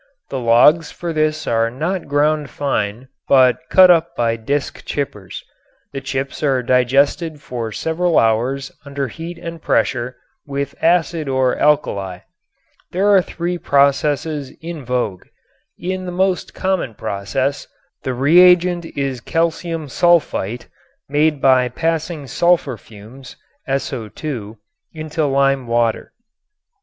The logs for this are not ground fine, but cut up by disk chippers. The chips are digested for several hours under heat and pressure with acid or alkali. There are three processes in vogue. In the most common process the reagent is calcium sulfite, made by passing sulfur fumes (SO_) into lime water.